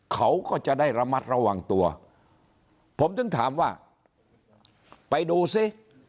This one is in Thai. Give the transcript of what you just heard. เขาก็จะได้ระมัดระวังตัวผมถึงถามว่าไปดูซิ